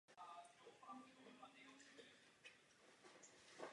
Ženskou dvouhru ovládla světová jednička Američanka Serena Williamsová.